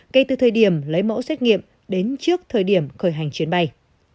kể từ thời điểm lấy mẫu xét nghiệm đến trước thời điểm khởi hành chuyến bay